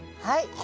はい。